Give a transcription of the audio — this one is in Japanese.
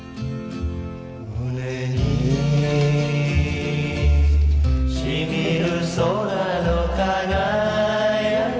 「胸にしみる空のかがやき」